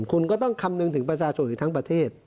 คุณก็ต้องคำนึงถึงประชาชนอยู่ทั้งประเทศ